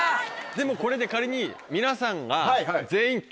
でもこれで仮に皆さんが。